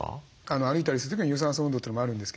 歩いたりする時の有酸素運動というのもあるんですけど